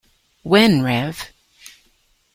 When Rev.